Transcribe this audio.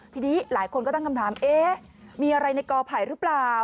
ทีนี้หลายคนก็ตั้งคำถามเอ๊ะมีอะไรในกอไผ่หรือเปล่า